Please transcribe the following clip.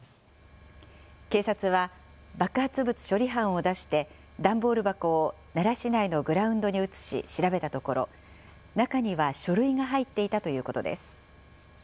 警察は、爆発物処理班を出して、段ボール箱を奈良市内のグラウンドに移し調べたところ、中には書類が入っていたということです。